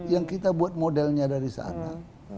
yang kita buat modelnya dari sana